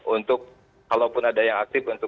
untuk kalau pun ada yang aktif